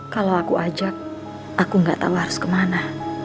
kalau aku ajak aku gak tahu harus kemana